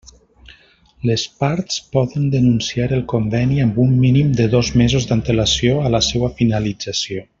Les parts poden denunciar el Conveni amb un mínim de dos mesos d'antelació a la seua finalització.